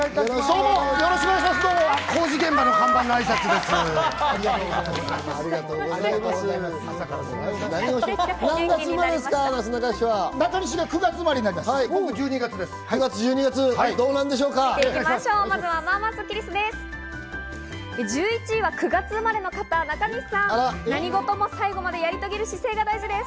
工事現場の看板のあいさつです。